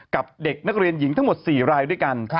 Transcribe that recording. กับเด็กนักเรียนหญิงทั้งหมด๔รายด้วยกัน